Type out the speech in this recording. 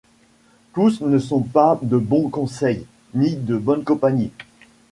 Tous ne sont pas de bons conseils ni de bonnes compagnies.